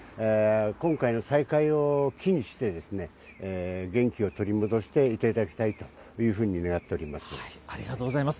今回の再開を機にして、元気を取り戻していっていただきたいといありがとうございます。